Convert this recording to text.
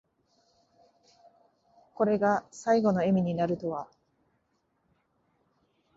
これが最期の笑みになるとは。